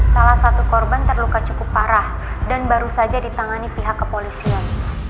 salah satu korban terluka cukup parah dan baru saja ditangani pihak kepolisian